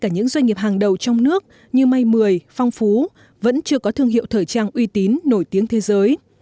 những doanh nghiệp hàng đầu trong nước như may mười phong phú vẫn chưa có thương hiệu thời trang uy tín nổi tiếng thế giới